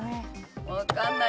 わかんない。